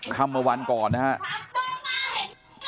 คำมวันก่อนนะครับ